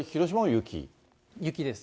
雪です。